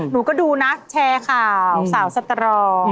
หนูก็ดูนะแชร์ข่าวสาวสตรอง